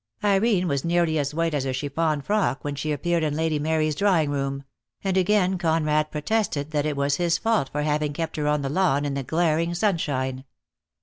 Irene was nearly as white as her chiffon frock when she appeared in Lady Mary's drawing room — and again Conrad protested that it was his fault for having kept her on the lawn in the glaring sunshine.